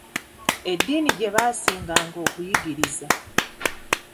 Eddiini gye baasinganga okuyigiriza.